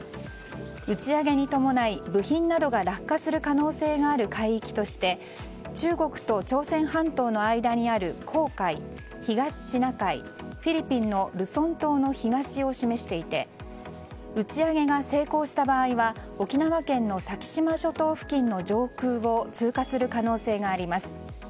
打ち上げに伴い部品などが落下する可能性がある海域として中国と朝鮮半島の間にある黄海東シナ海、フィリピンのルソン島の東を示していて打ち上げが成功した場合は沖縄県の先島諸島付近の上空を通過する可能性があります。